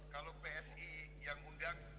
kalau psi yang undang